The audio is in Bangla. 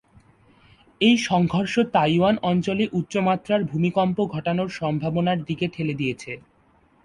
এই সংঘর্ষ তাইওয়ান অঞ্চলে উচ্চমাত্রার ভূমিকম্প ঘটানোর সম্ভাবনার দিকে ঠেলে দিয়েছে।